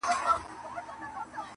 بې غاښو خوله به یې وازه وه نیولې٫